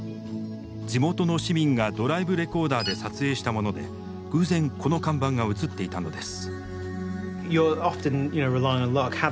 地元の市民がドライブレコーダーで撮影したもので偶然この看板が映っていたのです。